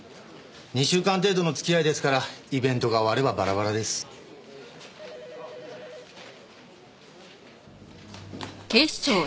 ２週間程度の付き合いですからイベントが終わればバラバラです。